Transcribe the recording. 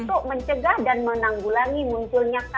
untuk mencegah dan menanggulangi munculnya kasus covid sembilan belas